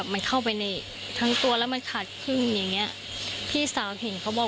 มันเข้าไปในทั้งตัวและมันขาดขึ้น